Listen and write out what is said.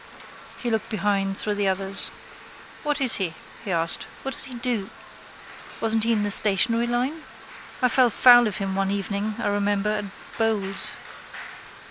He looked behind through the others. —What is he? he asked. What does he do? Wasn't he in the stationery line? I fell foul of him one evening, I remember, at bowls.